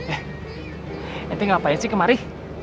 eh ente ngapain sih kemari